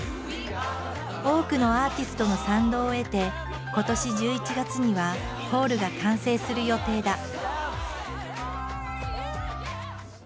多くのアーティストの賛同を得て今年１１月にはホールが完成する予定だ。